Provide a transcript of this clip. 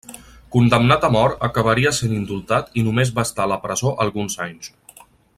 Condemnat a mort, acabaria sent indultat i només va estar a la presó alguns anys.